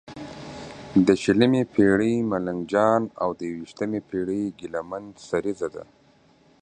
د شلمې پېړۍ ملنګ جان او د یوویشمې پېړې ګیله من سریزه ده.